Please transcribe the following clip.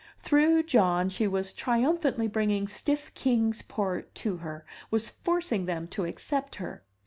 Through John she was triumphantly bringing stiff Kings Port to her, was forcing them to accept her.